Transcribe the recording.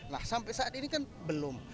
nah sampai saat ini kan belum